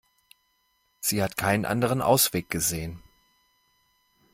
Sie hat keinen anderen Ausweg gesehen.